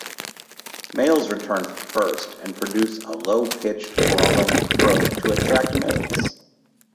Males return first and produce a low pitch growling croak to attract mates.